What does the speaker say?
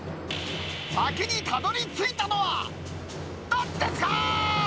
先にたどりついたのはどっちですか？